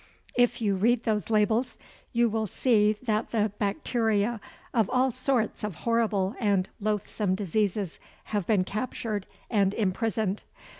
If you read those labels you will see that the bacteria of all sorts of horrible and loathsome diseases have been captured and imprisoned.